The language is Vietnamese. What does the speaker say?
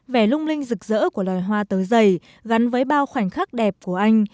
vẻ lung linh rực rỡ của loài hoa tớ dày gắn với bao khoảnh khắc đẹp của anh